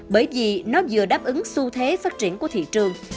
bởi vì nó vừa đáp ứng xu thế phát triển của thị trường